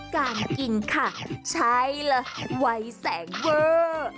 การกินค่ะใช่เลยวัยแสงเวอร์